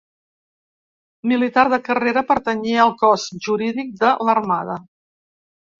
Militar de carrera, pertanyia al Cos Jurídic de l'Armada.